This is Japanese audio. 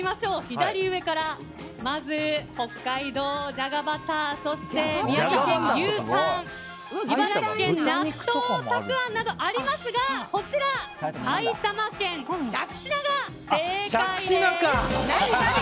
左上から、まず北海道じゃがバターそして宮城県、牛タン茨城県、納豆たくあんなどありますがこちら、埼玉県しゃくしなが正解です！